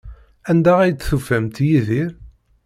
Anda ay d-tufamt Yidir?